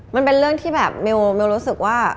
มันเป็นเรื่องที่แบบเมลรู้สึกว่า